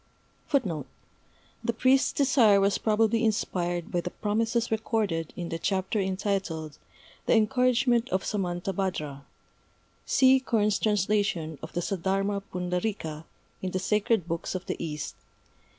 The priest's desire was probably inspired by the promises recorded in the chapter entitled "The Encouragement of Samantabhadra" (see Kern's translation of the Saddharma Pundarîka in the Sacred Books of the East, pp.